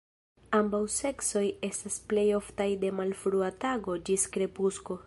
Ambaŭ seksoj estas plej oftaj de malfrua tago ĝis krepusko.